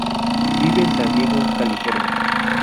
Vive en San Diego, California.